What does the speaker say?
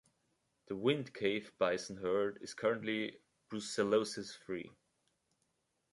The Wind Cave bison herd is currently brucellosis-free.